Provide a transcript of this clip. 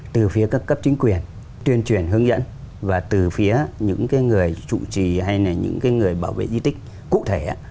từ phía các cấp chính quyền tuyên truyền hướng dẫn và từ phía những người chủ trì hay là những người bảo vệ di tích cụ thể